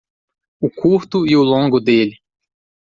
O curto e o longo dele